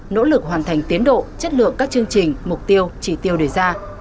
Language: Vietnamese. nỗ lực hoàn thành tiến độ chất lượng các chương trình mục tiêu chỉ tiêu đề ra